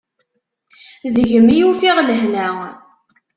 Deg-m i ufiɣ lehna.